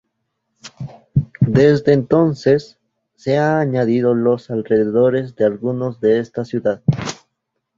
Desde entonces, se han añadido los alrededores de algunas de estas ciudades.